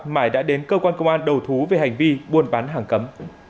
mai đã đến cơ quan công an đầu thú về hành vi buôn bán hàng cấm